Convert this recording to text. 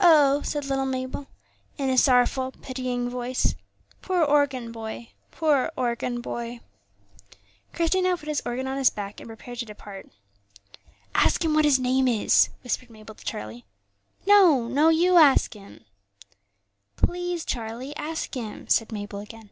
"Oh!" said little Mabel, in a sorrowful, pitying voice, "poor organ boy, poor organ boy!" Christie now put his organ on his back and prepared to depart. "Ask him what his name is," whispered Mabel to Charlie. "No, no; you ask him." "Please, Charlie, ask him," said Mabel again.